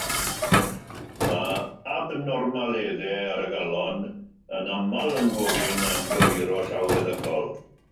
Mae abnormaleddau ar y galon yn aml yn gofyn am gywiro llawfeddygol.